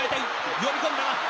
呼び込んだ。